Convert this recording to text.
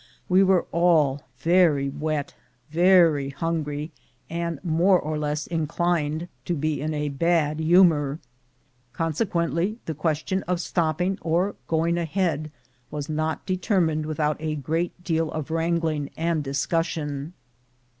We were all very wet, very hungry, and more or less inclined to be in a bad humor. Consequently, the question of stopping or going ahead was not deter mined without a great deal of wrangling and dis cussion.